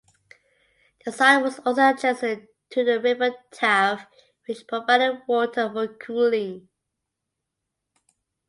The site was also adjacent to the River Taff which provided water for cooling.